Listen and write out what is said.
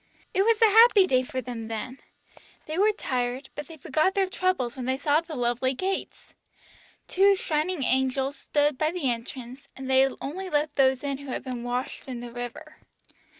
It was a happy day for them then. They were tired, but they forgot their troubles when they saw the lovely gates. Two shining angels stood by the entrance, and they only let those in who had been washed in the river.